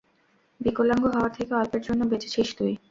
বিকলাঙ্গ হওয়া থেকে অল্পের জন্য বেঁচেছিস তুই।